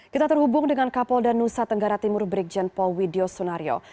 kita terhubung dengan kapol dan nusa tenggara timur brigjen paul widyo sonario